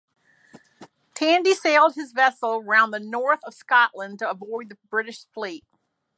Tandy sailed his vessel round the north of Scotland to avoid the British fleet.